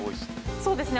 そうですね。